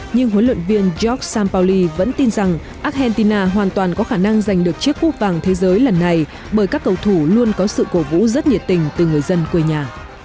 nhưng huấn luyện viên jokpalli vẫn tin rằng argentina hoàn toàn có khả năng giành được chiếc cúp vàng thế giới lần này bởi các cầu thủ luôn có sự cổ vũ rất nhiệt tình từ người dân quê nhà